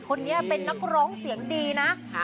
คนนี้เป็นนักร้องเสียงดีนะ